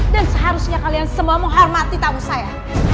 dan seharusnya kalian semua menghormati tamu saya